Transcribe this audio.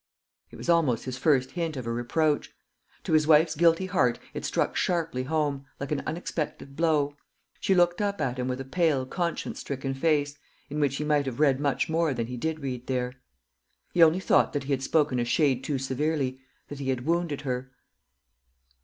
It was almost his first hint of a reproach. To his wife's guilty heart it struck sharply home, like an unexpected blow. She looked up at him with a pale conscience stricken face, in which he might have read much more than he did read there. He only thought that he had spoken a shade too severely that he had wounded her.